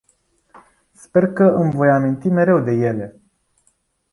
Sper că îmi voi aminti mereu de ele.